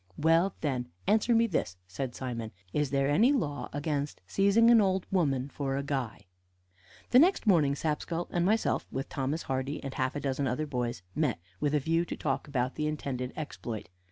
"Well, then, answer me this," said Simon. "Is there any law against seizing an old woman for a guy?" The next morning Sapskull and myself, with Thomas Hardy and half a dozen other boys, met with a view to talk about the intended exploit.